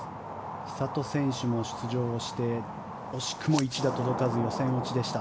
千怜選手も出場して惜しくも１打届かず予選落ちでした。